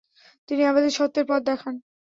তিনি আমাদের সত্যের পথ দেখান।